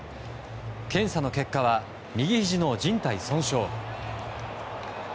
検査の結果は右ひじのじん帯損傷。